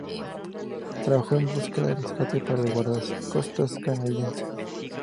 Trabajó en búsqueda y rescate para el guardacostas canadiense.